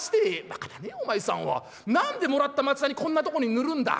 「バカだねお前さんは。何でもらった松ヤニこんなとこに塗るんだ？」。